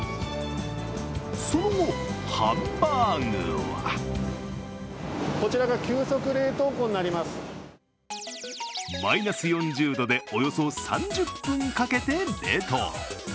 その後、ハンバーグはマイナス４０度でおよそ３０分かけて冷凍。